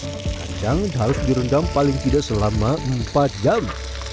kacang harus direndam paling tidak selama empat jam